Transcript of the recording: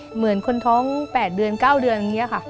เหมือนคนท้อง๘เดือน๙เดือนอย่างนี้ค่ะ